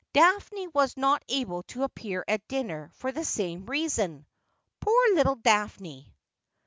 Daphne was not able to appear at dinner for the same reason.' ' Poor little Daphne